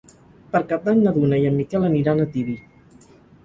Per Cap d'Any na Duna i en Miquel aniran a Tibi.